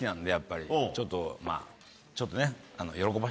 やっぱりちょっとまぁちょっとね。